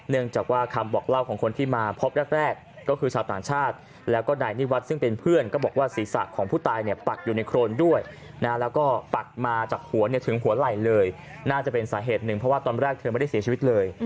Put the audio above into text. เนื่องจากว่าคำบอกเล่าของคนที่มาพบแรกก็คือชาวต่างชาติ